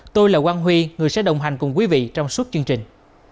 tôi là quang huy người sẽ đồng hành cùng quý vị trong suốt chương trình